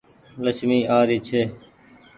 لڇمي آ ري ڇي۔